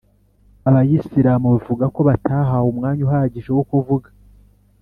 abayisilamu bavuga ko batahawe umwanya uhagije wo kuvuga.